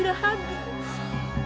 tak ada lagi